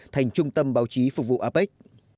thành trung tâm báo chí phục vụ apec